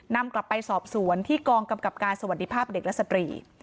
นำกลับไปสอบสวนที่กองกำกับการสวัสดีภาพเด็กและสตรี